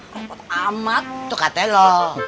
rompot amat tuh katanya lo